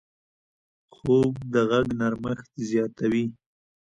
خوب د غږ نرمښت زیاتوي